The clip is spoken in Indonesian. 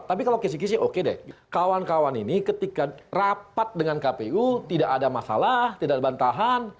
tapi kalau kisi kisi oke deh kawan kawan ini ketika rapat dengan kpu tidak ada masalah tidak ada bantahan